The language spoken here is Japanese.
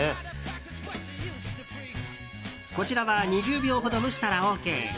こちらは２０秒ほど蒸したらＯＫ。